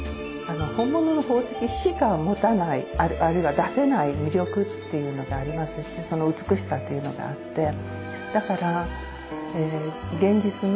本物の宝石しか持たないあるいは出せない魅力っていうのがありますしその美しさっていうのがあって。